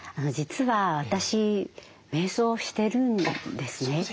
実は私めい想をしてるんですね。